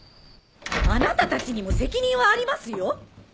・あなたたちにも責任はありますよ！